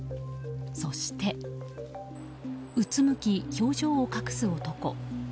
そしてうつむき、表情を隠す男。